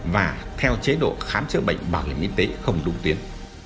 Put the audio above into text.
và theo chế độ khám chữa bệnh bảo hiểm y tế không đúng tuyến